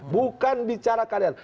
bukan bicara keadilan